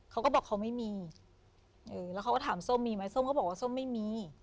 เขาก็บอกเขาไม่มีแล้วเขาก็ถามส้มมีไหมส้มก็บอกว่าส้มไม่มี